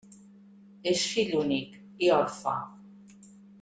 És fill únic, i orfe.